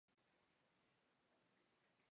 Le Vivier-sur-Mer